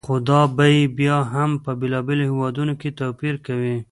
خو دا بیې بیا هم بېلابېلو هېوادونو کې توپیر کوي.